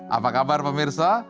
apa kabar pemirsa